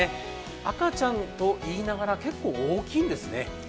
赤ちゃんといいながら結構大きいんですね。